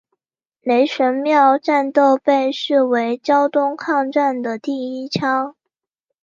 雷神庙战斗被视为胶东抗战的第一枪。